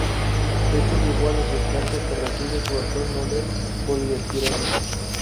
Esto llevó a la sustancia que recibe su actual nombre, poliestireno.